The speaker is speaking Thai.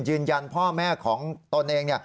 ยืนยันพ่อแม่ของตนเอง